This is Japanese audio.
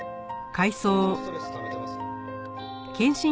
相当ストレスためてます？